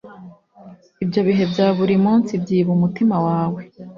ibyo bihe bya buri munsi byiba umutima wawe